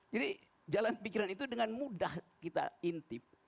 jadi jalan pikiran itu dengan mudah kita intip